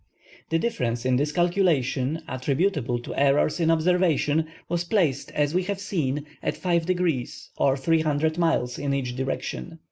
The difference in this calculation, attributable to errors in observation, was placed, as we have seen, at 5° or 300 miles in each direction.